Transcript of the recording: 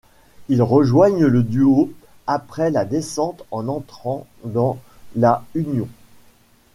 Ils rejoignent le duo après la descente en entrant dans La Unión.